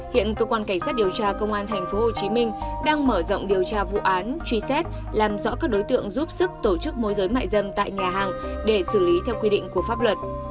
hiện cơ quan cảnh sát điều tra công an tp hcm đang mở rộng điều tra vụ án truy xét làm rõ các đối tượng giúp sức tổ chức môi giới mại dâm tại nhà hàng để xử lý theo quy định của pháp luật